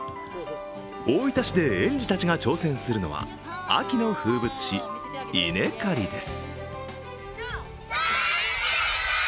大分市で園児たちが挑戦するのは秋の風物詩、稲刈りです。